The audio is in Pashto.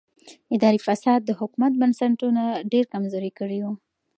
اداري فساد د حکومت بنسټونه ډېر کمزوري کړي ول.